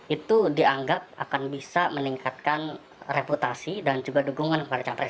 itu dianggap akan bisa meningkatkan reputasi dan juga dukungan